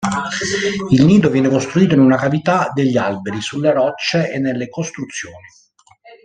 Il nido viene costruito in una cavità degli alberi, sulle rocce e nelle costruzioni.